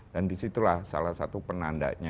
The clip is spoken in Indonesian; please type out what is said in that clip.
dan di situlah salah satu penandanya